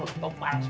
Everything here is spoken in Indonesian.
gue tinggal sendiri